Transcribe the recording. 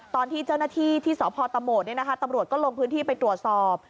ตอนที่เจ้าหน้าที่ที่สพตะโหมดตำรวจก็ลงพื้นที่ไปตรวจสอบ